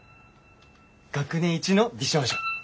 学年一の美少女。